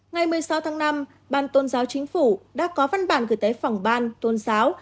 ngày một mươi sáu tháng năm ban tôn giáo chính phủ đã có văn bản gửi tới phòng ban tôn giáo